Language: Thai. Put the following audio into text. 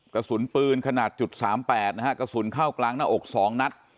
กระสุนปืนขนาด๓๘นะฮะกระสุนเข้ากลางหน้าอก๒นัด